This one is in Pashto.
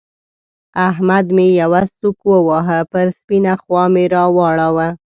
احمد مې يوه سوک وواهه؛ پر سپينه خوا مې را واړاوو.